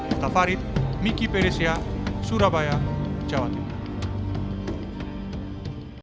dari tafarid miki peresia surabaya jawa tenggara